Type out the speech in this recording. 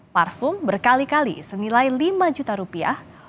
parfum berkali kali senilai lima juta rupiah